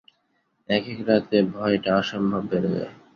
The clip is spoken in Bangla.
একেক রাতে ভয়টা অসম্ভব বেড়ে যায়।